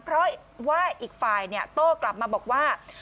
เพราะว่าอีกฝ่ายโต้กลับมาบอกว่า